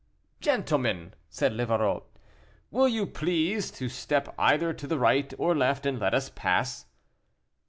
"Gentlemen!" said Livarot, "will you please to step either to the right or left, and let us pass."